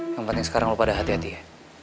yang penting sekarang kalau pada hati hati ya